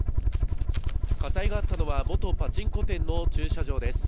火災があったのは元パチンコ店の駐車場です。